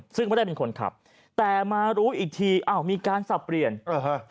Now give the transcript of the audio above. ซึ่งไม่ได้เป็นคนขับแต่มารู้อีกทีอ้าวมีการสับเปลี่ยนเออฮะ